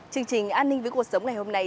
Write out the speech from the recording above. chương trình an ninh với cuộc sống ngày hôm nay